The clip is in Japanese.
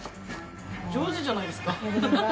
上手じゃないですか。